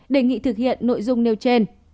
đề nghị thực hiện nội dung nêu trên